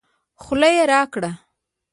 خوله يې راګړه